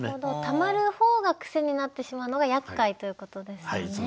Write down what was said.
たまる方が癖になってしまうのがやっかいということですよね。